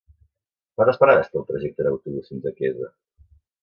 Quantes parades té el trajecte en autobús fins a Quesa?